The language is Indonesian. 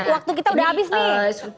waktu kita udah habis nih